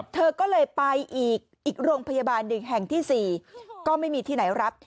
เธอก็เลยไปอีกโรงพยาบาลหนึ่งแห่งที่๔ก็ไม่มีที่ไหนรับ